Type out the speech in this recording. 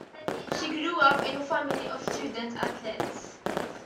She grew up in a family of student-athletes.